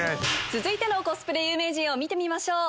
続いてのコスプレ有名人を見てみましょう！